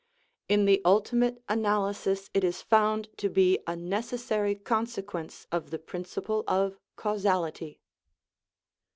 In the ultimate analysis it is found to be a necessary consequence of the principle of caus ality.